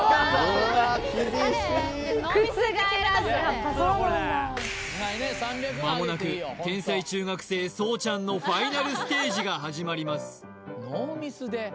うわっ厳しい覆らずやっぱそうなんだまもなく天才中学生そうちゃんのファイナルステージが始まります